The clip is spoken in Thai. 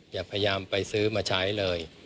อย่าพยายามไปซื้อมาใช้เลย